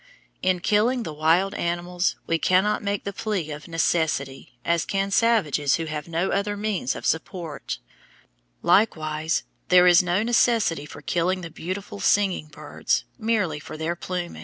In killing the wild animals we cannot make the plea of necessity, as can savages who have no other means of support. Likewise, there is no necessity for killing the beautiful singing birds, merely for their plumage. [Illustration: FIG.